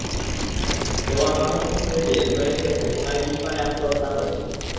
দেওয়ান মাধবকে ছেড়ে দিয়ে ঘরে এসে দেখে সোনাই বিষ পানে আত্মহত্যা করেছে।